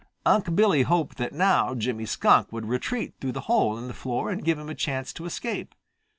Unc' Billy hoped that now Jimmy Skunk would retreat through the hole in the floor and give him a chance to escape.